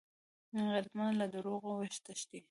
غیرتمند له دروغو وتښتي